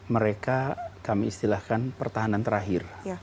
mereka kami istilahkan pertahanan terakhir